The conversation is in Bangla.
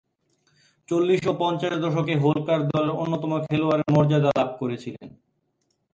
চল্লিশ ও পঞ্চাশের দশকে হোলকার দলের অন্যতম খেলোয়াড়ের মর্যাদা লাভ করেছিলেন।